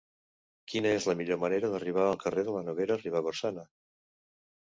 Quina és la millor manera d'arribar al carrer de la Noguera Ribagorçana?